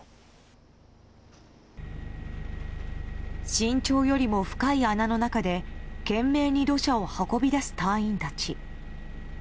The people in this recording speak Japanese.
身長よりも深い穴の中で懸命に土砂を運び出す隊員たち。